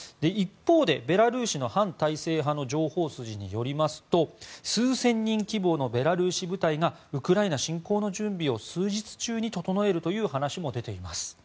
一方でベラルーシの反体制派の情報筋によりますと数千人規模のベラルーシ部隊がウクライナ侵攻の準備を数日中に整えるという話も出ています。